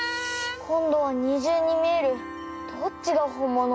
こんどは２じゅうにみえるどっちがほんもの？